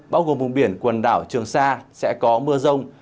bao gồm vùng biển quần đảo trường sa sẽ có mưa rông